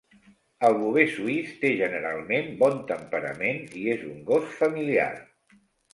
El Bover suís té generalment bon temperament i és un gos familiar.